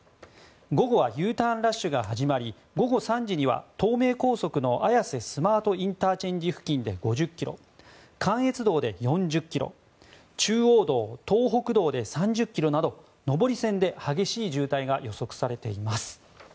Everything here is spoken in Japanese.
午後はＵターンラッシュが始まり午後３時には、東名高速の綾瀬スマートＩＣ付近で５０ｋｍ関越道で４０ｋｍ中央道、東北道で３０ｋｍなど上り線で激しい渋滞が予測されています。